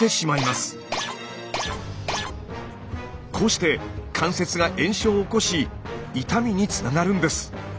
こうして関節が炎症を起こし痛みにつながるんです。